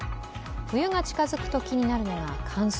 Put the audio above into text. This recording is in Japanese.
冬が近づくと気になるのが乾燥。